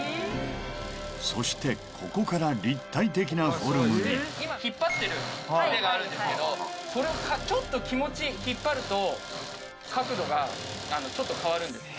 そしてここから立体的なフォルムに今引っ張ってる手があるんですけどそれをちょっと気持ち引っ張ると角度がちょっと変わるんです。